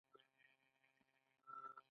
غره خیژي پښې قوي کوي